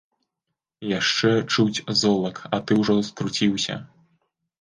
Яшчэ чуць золак, а ты ўжо ўскруцiўся?